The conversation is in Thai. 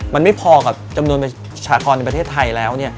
มันไม่พอกับจำนวนประชากรในประเทศไทยแล้ว